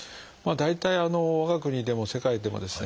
大体我が国でも世界でもですね